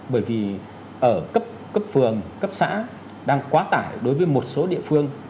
bởi vì ở cấp phường cấp xã đang quá tải đối với một số địa phương